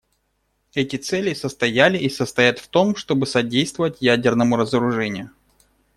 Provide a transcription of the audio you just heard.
Эти цели состояли и состоят в том, чтобы содействовать ядерному разоружению.